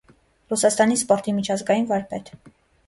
Ռուսաստանի սպորտի միջազգային վարպետ։